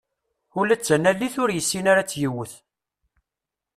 Ula d tanalit ur yessin ad tt-yewwet.